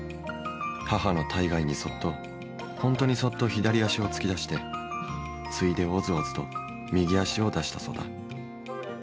母の体外にそっと本当にそっと左足を突き出してついで、おずおずと右足を出したそうだ。